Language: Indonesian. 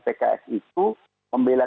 pks itu membela